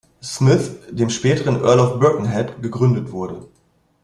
Smith, dem späteren Earl of Birkenhead, gegründet wurde.